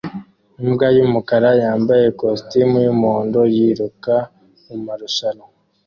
Imbwa yumukara yambaye ikositimu yumuhondo yiruka mumarushanwa